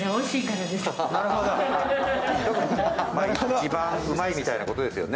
一番うまいみたいなことですよね。